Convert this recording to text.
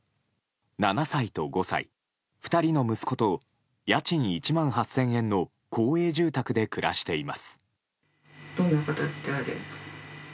７歳と５歳、２人の息子と家賃１万８０００円の公営住宅で暮らしています。